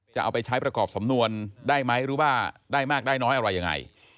จะเอาไปใช้ประกอบสำนวนได้ไหมหรือว่าได้มากได้น้อยอะไรยังไง